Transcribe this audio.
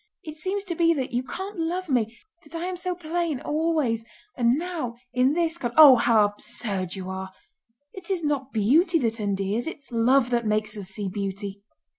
"It seems to be that you can't love me, that I am so plain... always... and now... in this cond..." "Oh, how absurd you are! It is not beauty that endears, it's love that makes us see beauty.